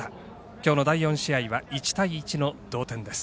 きょうの第４試合は１対１の同点です。